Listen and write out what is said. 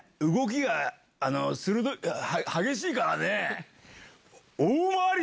動きが鋭い激しいからね。